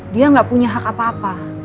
dia nggak punya hak apa apa